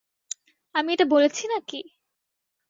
আমি এটা বলেছি নাকি?